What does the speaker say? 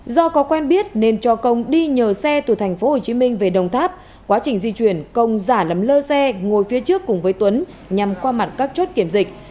do có quen biết nên cho công đi nhờ xe từ tp hcm về đồng tháp quá trình di chuyển công giả lấm lơ xe ngồi phía trước cùng với tuấn nhằm qua mặt các chốt kiểm dịch